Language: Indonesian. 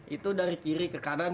itu dari kiri ke kanan